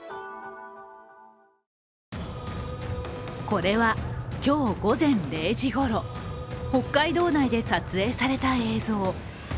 これは今日午前０時ごろ、北海道内で撮影された映像。